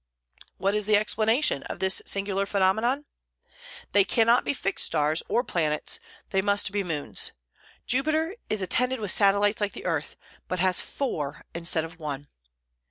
What is the explanation of this singular phenomenon? They cannot be fixed stars, or planets; they must then be moons. Jupiter is attended with satellites like the earth, but has four instead of one!